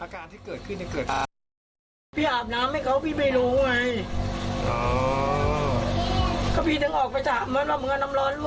คิดไม่ได้จากที่อายุขนาดนี้คิดไม่ได้เลย